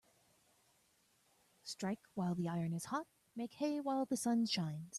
Strike while the iron is hot Make hay while the sun shines